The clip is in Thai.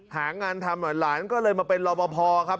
หางานทำหลานก็เลยมาเป็นรอบพอครับ